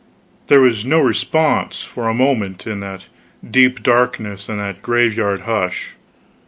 There was no response, for a moment, in that deep darkness and that graveyard hush.